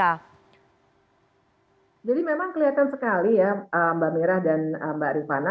jadi memang kelihatan sekali ya mbak mirah dan mbak rifana